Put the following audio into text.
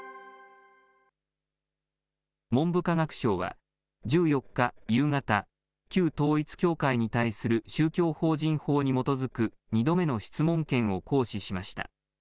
文部科学省は、１４日夕方、旧統一教会に対する宗教法人法に基づく２度目の質問権を行使しました。